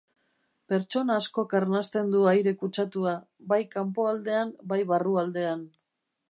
Pertsona askok arnasten du aire kutsatua, bai kanpoaldean bai barrualdean.